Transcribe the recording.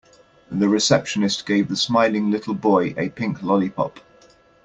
The receptionist gave the smiling little boy a pink lollipop.